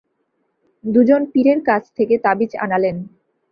দু জন পীরের কাছ থেকে তাবিজ আনালেন।